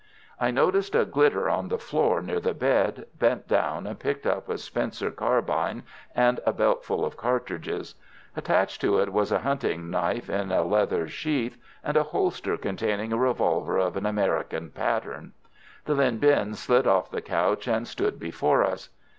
I noticed a glitter on the floor near the bed, bent down and picked up a Spencer carbine and a belt full of cartridges. Attached to it was a hunting knife in a leather sheath, and a holster containing a revolver of an American pattern. The linh binh slid off the couch and stood before us.